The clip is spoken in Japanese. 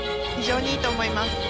非常にいいと思います。